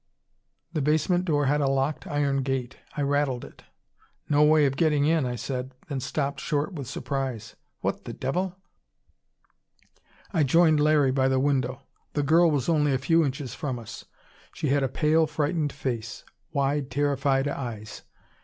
The basement door had a locked iron gate. I rattled it. "No way of getting in," I said, then stopped short with surprise. "What the devil " I joined Larry by the window. The girl was only a few inches from us. She had a pale, frightened face; wide, terrified eyes.